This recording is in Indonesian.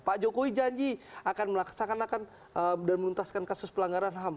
pak jokowi janji akan melaksanakan dan menuntaskan kasus pelanggaran ham